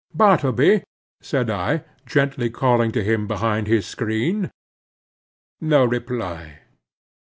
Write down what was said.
"Bartleby," said I, gently calling to him behind his screen. No reply.